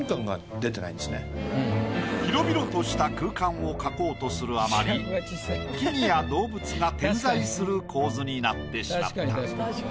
広々とした空間を描こうとするあまり木々や動物が点在する構図になってしまった。